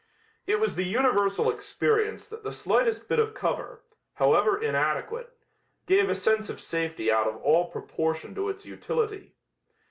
It was the universal experience that the slightest bit of cover, however inadequate, gave a sense of safety out of all proportion to its utility.